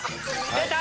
出た！